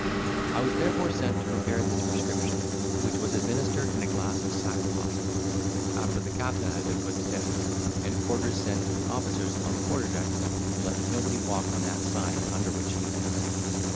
I was therefore sent to prepare this prescription, which was administered in a glass of sack posset, after the captain had been put to bed, and orders sent to the officers on the quarter deck, to let nobody walk on that side under which he lay.